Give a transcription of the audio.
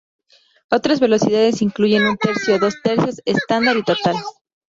Otras velocidades incluyen un tercio, dos tercios, estándar y total.